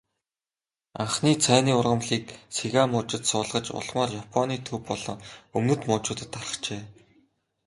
Анхны цайны ургамлыг Сига мужид суулгаж, улмаар Японы төв болон өмнөд мужуудад тархжээ.